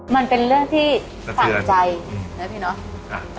มันเป็นเรื่องที่สั่งใจนะพี่เนาะ